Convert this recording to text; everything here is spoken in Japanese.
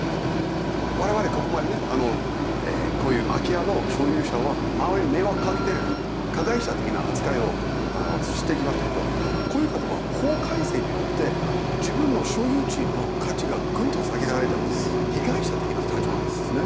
我々ここまでねこういう空き家の所有者は周りに迷惑をかけてる加害者的な扱いをしてきましたけどこういう方は法改正によって自分の所有地の価値がぐんと下げられた被害者的な立場なんですね。